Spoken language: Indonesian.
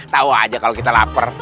tahu aja kalau kita lapar